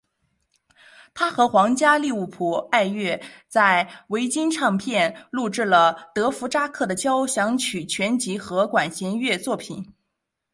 他和皇家利物浦爱乐在维京唱片录制了德佛札克的交响曲全集和管弦乐作品。